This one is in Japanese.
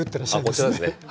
あこちらですね。